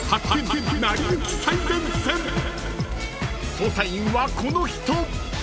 ［捜査員はこの人］